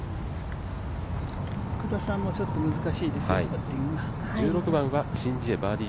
福田さんもちょっと難しいですよパッティングが。